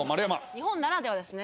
日本ならではですね。